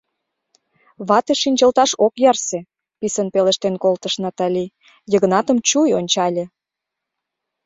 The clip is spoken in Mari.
— Вате шинчылташ ок ярсе! — писын пелештен колтыш Натали, Йыгнатым чуй ончале.